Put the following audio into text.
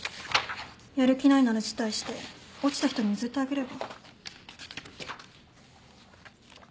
やる気ないなら辞退して落ちた人に譲ってあげれば？